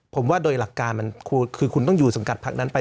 ผมว่าโดยหลักการมันคือคุณต้องอยู่สังกัดพักนั้นไป